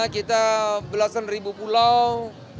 kita belasan ribu pulau